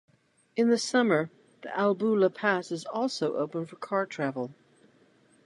In the summer, the Albula Pass is also open for car travel.